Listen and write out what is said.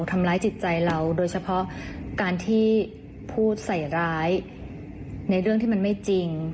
ทำร้ายจิตใจเราโดยเฉพาะการที่พูดใส่ร้ายในเรื่องที่มันไม่จริง